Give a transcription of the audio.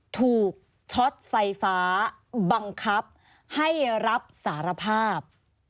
ช็อตไฟฟ้าบังคับให้รับสารภาพ